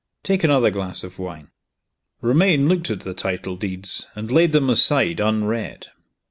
Take another glass of wine." Romayne looked at the title deeds, and laid them aside unread.